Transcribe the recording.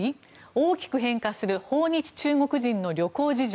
大きく変化する訪日中国人の旅行事情。